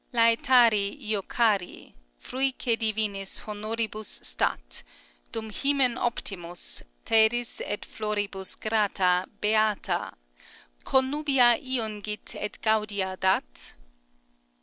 Lætari, iocari Fruique divinis honoribus stat, Dum hymen optimus Tædis et floribus Grata, beata Connubia iungit et gaudia dat?